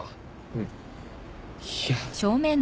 うん。いや。